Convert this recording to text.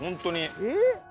えっ？